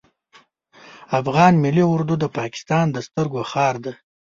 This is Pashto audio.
افغان ملی اردو د پاکستان د سترګو خار ده